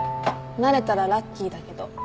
なれたらラッキーだけど。